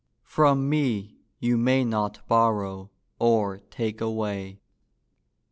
From me you may not borrow Or take away.